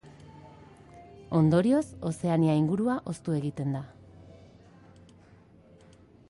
Ondorioz, Ozeania ingurua hoztu egiten da.